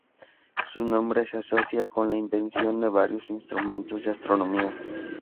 Su nombre se asocia con la invención de varios instrumentos de astronomía.